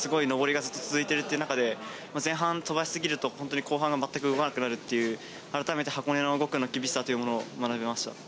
距離が長くて、上りがずっと続いている中で前半、飛ばしすぎると後半が全く動かなくなるということを改めて箱根の５区の厳しさを学びました。